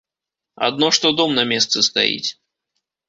Адно што дом на месцы стаіць.